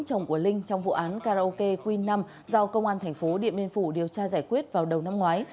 chồng của linh trong vụ án karaoke queen năm do công an thành phố điện biên phủ điều tra giải quyết vào đầu năm ngoái